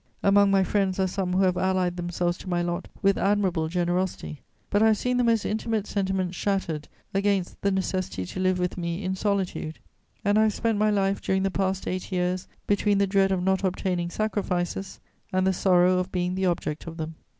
Among my friends are some who have allied themselves to my lot with admirable generosity; but I have seen the most intimate sentiments shattered against the necessity to live with me in solitude, and I have spent my life during the past eight years between the dread of not obtaining sacrifices and the sorrow of being the object of them.